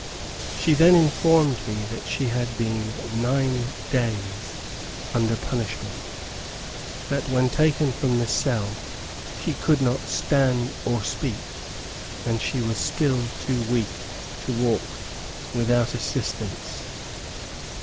She then informed me that she had been nine days under punishment, that when taken from the cell she could not stand or speak, and she was still too weak to walk without assistance.